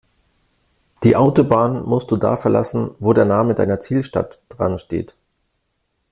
Die Autobahn musst du da verlassen, wo der Name deiner Zielstadt dran steht.